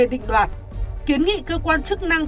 định đoạt kiến nghị cơ quan chức năng